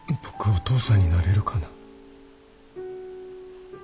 僕お父さんになれるかな？